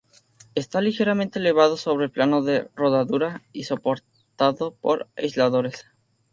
Está ligeramente elevado sobre el plano de rodadura y soportado por aisladores.